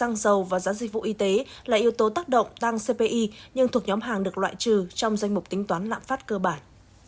giá dầu và giá dịch vụ y tế là yếu tố tác động tăng cpi nhưng thuộc nhóm hàng được loại trừ trong danh mục tính toán lãng phát cơ bản